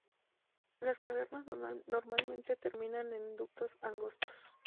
Las cavernas normalmente terminan en ductos angostos.